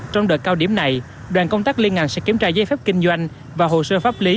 trong đợt cao điểm này đoàn công tác liên ngành sẽ kiểm tra giấy phép kinh doanh và hồ sơ pháp lý